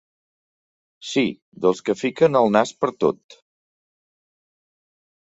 Sí, dels que fiquen el nas pertot.